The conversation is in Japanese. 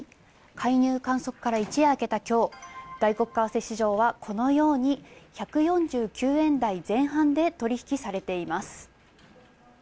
介入観測から一夜明けたきょう、外国為替市場はこのように１４９円台前半で取引されています。